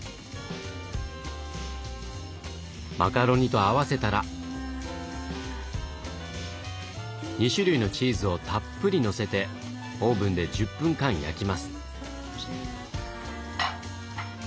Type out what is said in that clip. マカロニと合わせたら２種類のチーズをたっぷりのせてオーブンで１０分間焼きます。